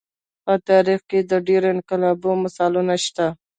په تاریخ کې د ډېرو انقلابونو مثالونه شته.